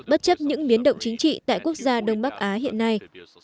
bất chấp những biến động chính trị tại quốc gia đông bắc á hiện nay